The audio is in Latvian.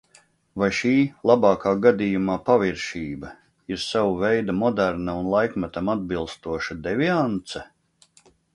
Vai šī labākā gadījumā paviršība ir sava veida moderna un laikmetam atbilstoša deviance?